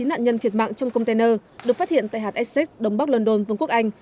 ba mươi chín nạn nhân thiệt mạng trong container được phát hiện tại hạt essex đông bắc london vông quốc anh